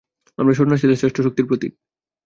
আমরা সন্ন্যাসীরা শ্রেষ্ঠ শক্তির প্রতীক।